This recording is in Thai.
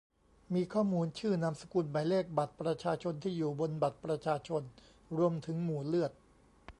มีข้อมูล ชื่อ นามสกุล หมายเลขบัตรประชาชน ที่อยู่ บนบัตรประชาชน รวมถึงหมู่เลือด